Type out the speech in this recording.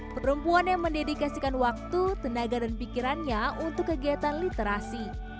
perempuan yang mendedikasikan waktu tenaga dan pikirannya untuk kegiatan literasi